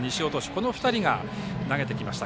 この２人が投げてきました。